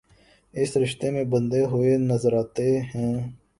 اس رشتے میں بندھے ہوئے نظرآتے ہیں